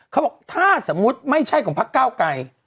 เขาบอกถ้าสมมุติไม่ใช่ของพักเก้าไกร